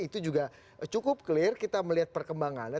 itu juga cukup clear kita melihat perkembangannya